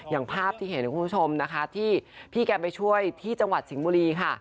อย่างภาพที่เห็นคุณผู้ชมนะคะที่พี่แกไปช่วยที่จังหวัดสิงห์บุรีค่ะ